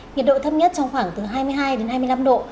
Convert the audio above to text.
nhiệt độ thấp nhất trong khoảng từ hai mươi hai đến hai mươi năm độ